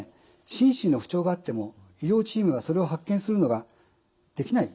心身の不調があっても医療チームがそれを発見するのができない。